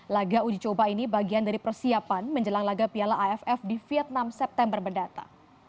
laga uji coba ini bagian dari persiapan menjelang laga piala aff di vietnam september berdata